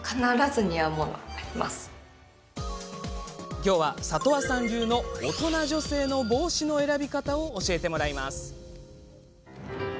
今日は里和さん流の大人女性の帽子の選び方を教えてもらいます。